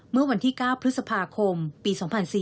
เมื่อวันที่๙พฤษภาคมปี๒๔๔